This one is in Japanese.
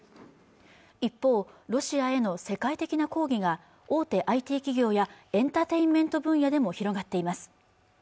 一方ロシアへの世界的な抗議が大手ＩＴ企業やエンターテインメント分野でも広がっています